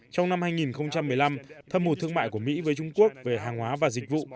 trong năm hai nghìn một mươi năm thâm hụt thương mại của mỹ với trung quốc về hàng hóa và dịch vụ